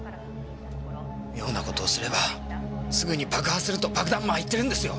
妙な事をすればすぐに爆破すると爆弾魔は言ってるんですよ！